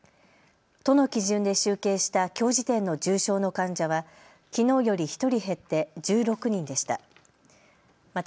都の基準で集計したきょう時点の重症の患者はきのうより１人減って１６人でした。